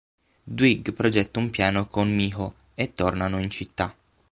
Dwight progetta un piano con Miho e tornano in città.